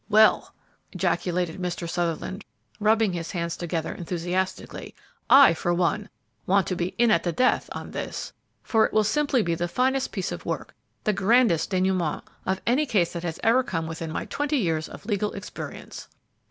"Well," ejaculated Mr. Sutherland, rubbing his hands together enthusiastically, "I, for one, want to be 'in at the death' on this, for it will simply be the finest piece of work, the grandest denouement, of any case that has ever come within my twenty years of legal experience!"